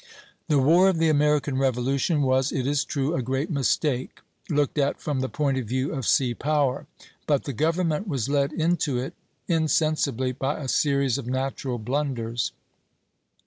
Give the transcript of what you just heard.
The war of the American Revolution was, it is true, a great mistake, looked at from the point of view of sea power; but the government was led into it insensibly by a series of natural blunders.